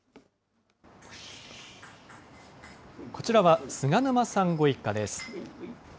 こちらは菅沼さんご一家です。